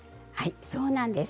そうなんです。